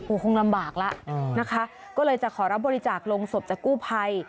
คงลำบากแล้วนะคะก็เลยจะขอรับบริจาคลงศพจากกู้ภัย